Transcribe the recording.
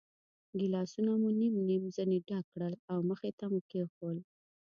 ګیلاسونه مو نیم نیم ځنې ډک کړل او مخې ته مو کېښوول.